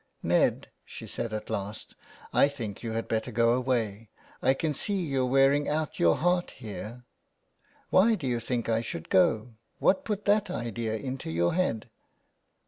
" Ned," she said at last, '' I think you had better go away. I can see you're wearing out your heart here." '' Why do you think I should go ? What put that idea into your head